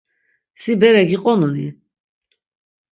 Si bere giqonuni?